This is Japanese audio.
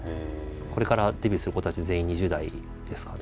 これからデビューする子たち全員２０代ですからね。